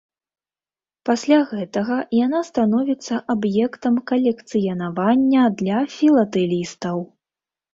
Пасля гэтага яна становіцца аб'ектам калекцыянавання для філатэлістаў.